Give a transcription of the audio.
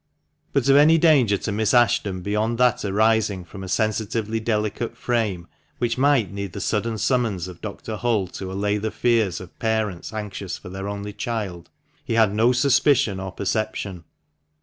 But of any danger to Miss Ashton beyond that arising from a sensitively delicate frame, which might need the sudden summons of Dr. Hull to allay the fears of parents anxious for their only child, he had no suspicion or perception.